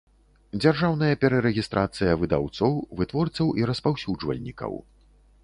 Дзяржаўная перарэгiстрацыя выдаўцоў, вытворцаў i распаўсюджвальнiкаў